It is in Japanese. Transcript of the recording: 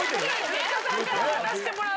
上田さんから渡してもらう。